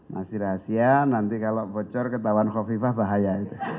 masih rahasia nanti kalau bocor ketahuan kofifah bahaya